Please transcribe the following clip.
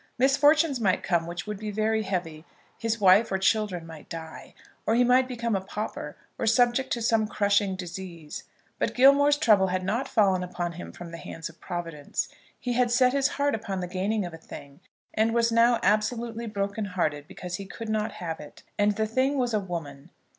Misfortunes might come which would be very heavy; his wife or children might die; or he might become a pauper; or subject to some crushing disease. But Gilmore's trouble had not fallen upon him from the hands of Providence. He had set his heart upon the gaining of a thing, and was now absolutely broken hearted because he could not have it. And the thing was a woman.